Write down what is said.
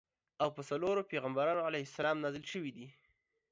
او په څلورو پیغمبرانو علیهم السلام نازل شویدي.